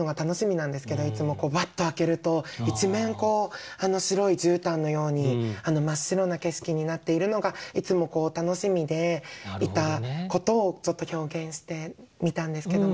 バッと開けると一面白い絨毯のように真っ白な景色になっているのがいつも楽しみでいたことをちょっと表現してみたんですけども。